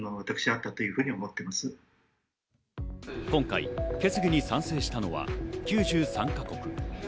今回、決議に賛成したのは９３か国。